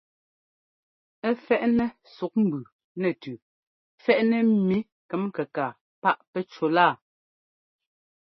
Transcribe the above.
Ɛ fɛ́ꞌnɛ ɛ́suk mbʉʉ nɛtʉʉ fɛ́ꞌnɛ ḿmi kɛm-kɛkaa páꞌ pɛ́ꞌ cúlaa.